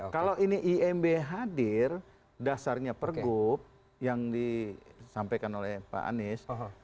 kalau ini imb hadir dasarnya pergub yang disampaikan oleh pak anies